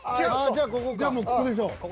じゃあもうここでしょ。